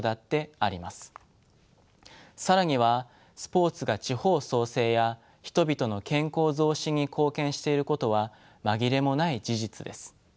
更にはスポーツが地方創生や人々の健康増進に貢献していることは紛れもない事実です。